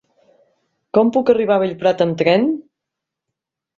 Com puc arribar a Bellprat amb tren?